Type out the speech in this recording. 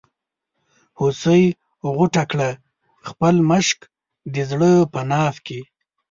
هوسۍ غوټه کړه خپل مشک د زړه په ناف کې.